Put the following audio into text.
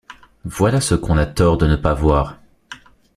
Voilà ce qu’on a tort de ne pas voir.